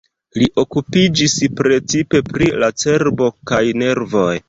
Li okupiĝis precipe pri la cerbo kaj nervoj.